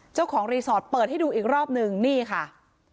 เจ้าของรีสอร์ทเปิดให้ดูอีกรอบนึงนี่ค่ะ